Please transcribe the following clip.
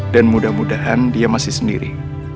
dan mudah mudahan dia masih sendiri